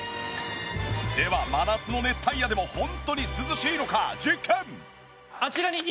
では真夏の熱帯夜でもホントに涼しいのか実験！